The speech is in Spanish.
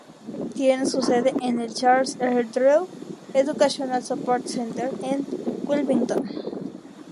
Tiene su sede en el "Charles R. Drew Educational Support Center" en Wilmington.